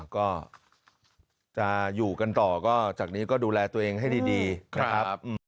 ก็จะอยู่กันต่อก็จากนี้ก็ดูแลตัวเองให้ดีนะครับ